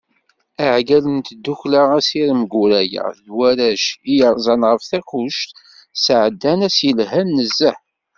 Iεeggalen n tdukkla Asirem Guraya d warrac i yerzan ɣer Takkuct, sεeddan ass yelhan nezzeh.